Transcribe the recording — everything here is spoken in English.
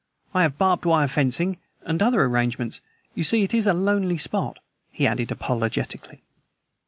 I have barbed wire fencing, and other arrangements. You see, it is a lonely spot," he added apologetically.